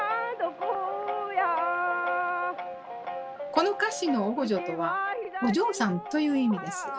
この歌詞の「おごじょ」とは「お嬢さん」という意味です。